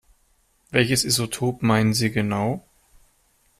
Welches Isotop meinen Sie genau?